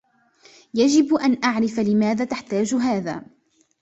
يجب أن أعرف لماذا تحتاج هذا.